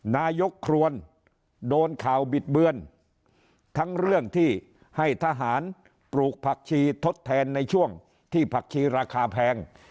นายกครวนโดนข่าวบิดเบือนทั้งเรื่องที่ให้ทหารปลูกผักชีทดแทนในช่วงที่ผักชีราคาแพง